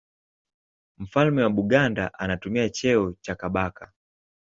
Mfalme wa Buganda anatumia cheo cha Kabaka.